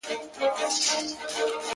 يو چا تضاده کړم ـ خو تا بيا متضاده کړمه ـ